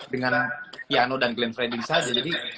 dengan piano dan glenn friendly saja jadi